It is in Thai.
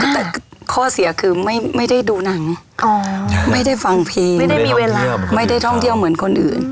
แต่ข้อเสียคือไม่ได้ดูหนังไม่ได้ฟังเพลงไม่ได้มีเวลาไม่ได้ท่องเที่ยวเหมือนคนอื่น